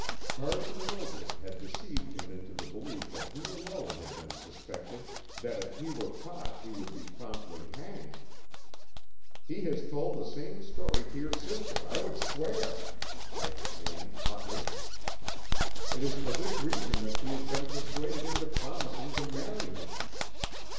Carson Wildred had deceived him into the belief that he alone had been suspected that if he were caught he would be promptly hanged. "He has told the same story to your sister, I would swear!" I exclaimed, hotly. "It is for this reason that she has been persuaded into promising to marry him.